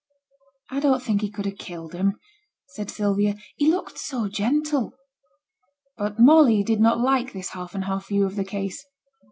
'I don't think he could ha' killed them,' said Sylvia; 'he looked so gentle.' But Molly did not like this half and half view of the case.